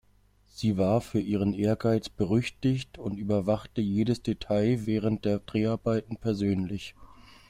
Sie war für ihren Ehrgeiz berüchtigt und überwachte jedes Detail während der Dreharbeiten persönlich.